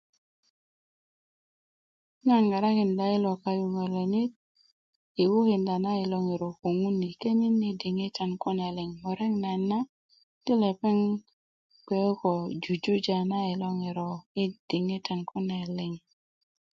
nan ŋarakinda yilo kayuŋölönit yi wukinda yi ŋiro ko ŋun yi könin yi diŋitan kune liŋ murek nayit na ti lepeŋ gbe ko jujuja na yilo ŋiro diŋitan kune liŋ